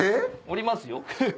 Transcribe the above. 下りますよ。